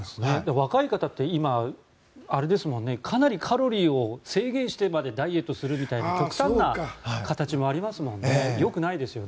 若い方って今かなりカロリーを制限してまでダイエットするみたいな極端な形もありますよね。